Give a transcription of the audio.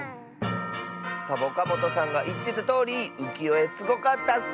サボカもとさんがいってたとおりうきよえすごかったッス！